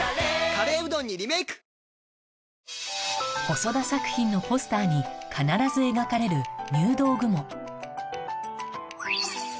細田作品のポスターに必ず描かれるああ。